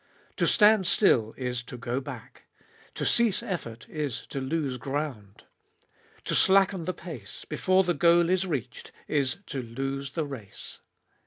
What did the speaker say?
To stand still is to go back. To cease effort is to lose ground. To slacken the pace, before the goal is reached, is to lose the race.